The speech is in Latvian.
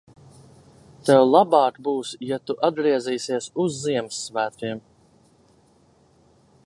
Tev labāk būs, ja tu atgriezīsies uz ziemassvētkiem!